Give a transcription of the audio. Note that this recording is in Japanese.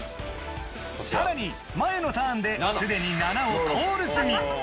更に前のターンですでに７をコール済み。